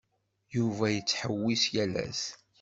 Yuba yettḥewwis yal ass.